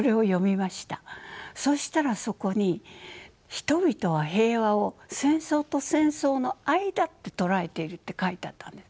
そしたらそこに「人々は平和を戦争と戦争の間と捉えている」って書いてあったんです。